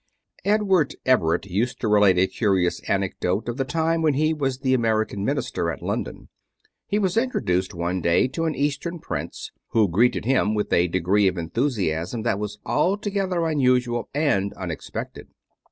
Edward Everett used to relate a curious anecdote of the time when he was the American minister at London. He was introduced one day to an Eastern prince, who greeted him with a degree of enthusiasm that was altogether unusual and unexpected.